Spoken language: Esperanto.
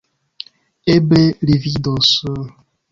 Eble li vidos...